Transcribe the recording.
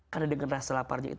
karena dengan rasa laparnya